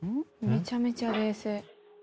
めちゃめちゃ冷静。